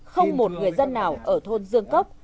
không một người dân nào ở thôn dương cốc